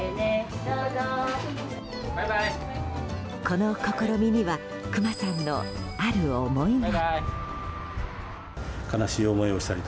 この試みにはくまさんのある思いが。